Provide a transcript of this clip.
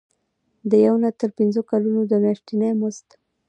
د یو نه تر پنځه کلونو دوه میاشتې مزد.